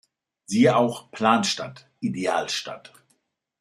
Siehe auch: Planstadt, Idealstadt